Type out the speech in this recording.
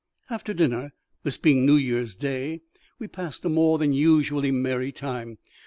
After dinner, this being New Year's Day, we passed a more than usually merry time.